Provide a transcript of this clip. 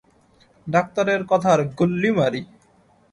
ডাক্তারের কথার গুল্লি মারি।